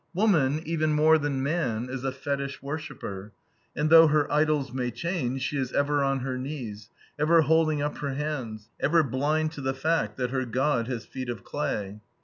Woman, even more than man, is a fetich worshipper, and though her idols may change, she is ever on her knees, ever holding up her hands, ever blind to the fact that her god has feet of clay.